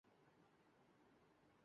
پیر سے میرے پیپر شروع ہورہے ھیںـ